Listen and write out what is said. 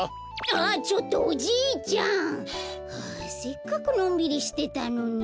あっちょっとおじいちゃん！はあせっかくのんびりしてたのに。